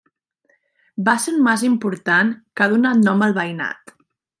Va ser un mas important que ha donat nom al veïnat.